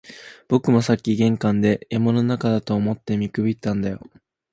僕もさっき玄関で、山の中だと思って見くびったんだよ